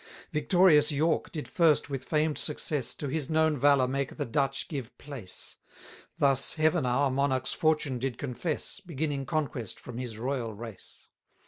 19 Victorious York did first with famed success, To his known valour make the Dutch give place: Thus Heaven our monarch's fortune did confess, Beginning conquest from his royal race.